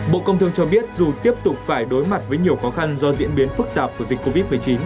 bộ công thương cho biết dù tiếp tục phải đối mặt với nhiều khó khăn do diễn biến phức tạp của dịch covid một mươi chín